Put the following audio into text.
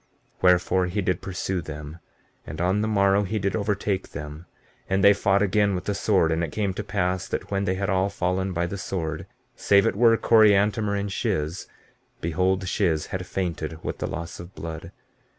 15:29 Wherefore, he did pursue them, and on the morrow he did overtake them; and they fought again with the sword. And it came to pass that when they had all fallen by the sword, save it were Coriantumr and Shiz, behold Shiz had fainted with the loss of blood.